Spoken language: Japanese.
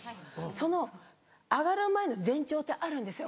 その上がる前の前兆ってあるんですよ